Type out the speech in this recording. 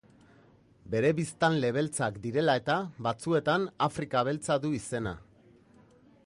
Bere biztanle beltzak direla eta, batzuetan Afrika Beltza du izena.